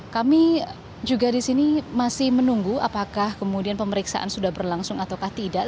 kami juga di sini masih menunggu apakah kemudian pemeriksaan sudah berlangsung atau tidak